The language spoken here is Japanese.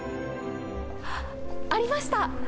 ありました！